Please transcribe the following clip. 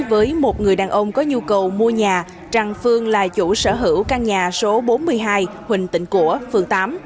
với một người đàn ông có nhu cầu mua nhà rằng phương là chủ sở hữu căn nhà số bốn mươi hai huỳnh tịnh của phường tám